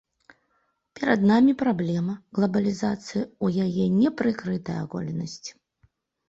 Перад намі праблема глабалізацыі ў яе непрыкрытай аголенасці.